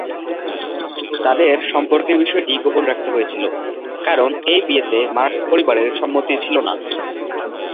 তাদের সম্পর্কের বিষয়টি গোপন রাখতে হয়েছিল, কারণ এই বিয়েতে মার্কস পরিবারের সম্মতি ছিল না।